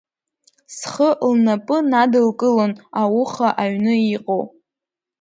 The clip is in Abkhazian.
Схы лнапы надылкылон ауха аҩны иҟоу.